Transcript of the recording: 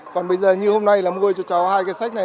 còn bây giờ như hôm nay là mua cho cháu hai cái sách này